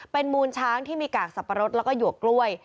เป็นมูลช้างที่มีกากสับปะรดแล้วก็หยวกกล้วย